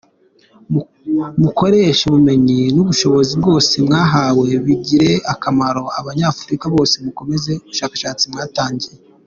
Mukoreshe ubumenyi n’ubushobozi bwose mwahawe bigirire akamaro abanyafurika bose, mukomeza ubushakashatsi mwatangiye.